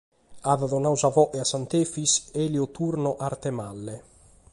At donadu sa boghe a Sant'Efis Elio Turno Arthemalle.